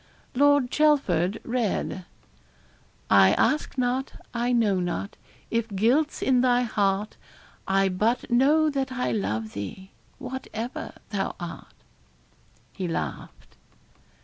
Lord Chelford read I ask not, I know not, if guilt's in thy heart I but know that I love thee, whatever thou art.' He laughed.